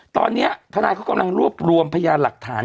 ตอนนี้ทนายเขากำลังรวบรวมพยานหลักฐาน